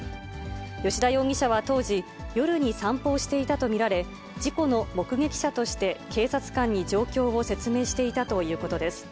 吉田容疑者は当時、夜に散歩をしていたと見られ、事故の目撃者として警察官に状況を説明していたということです。